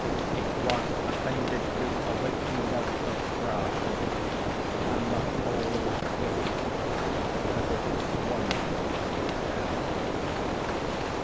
It was appended to a weighty rod of brass, and the whole hissed as it swung through the air.